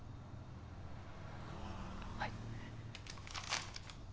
はい。